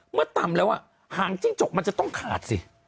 เมื่อตำแล้วหางจิ้งจกมันจะต้องขาดสิ